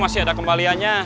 masih ada kembaliannya